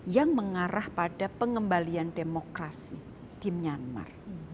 yang mengarah pada pengembalian demokrasi di myanmar